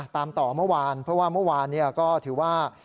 ตามต่อเมื่อวานเพราะว่าเมื่อวานก็ถือว่า